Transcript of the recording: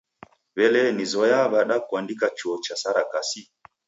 W'elee nizoyagha w'ada kuandika chuo cha sarakasi?